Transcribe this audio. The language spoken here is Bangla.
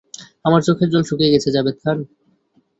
আমার চোখের জল শুকিয়ে গেছে, জাভেদ খান।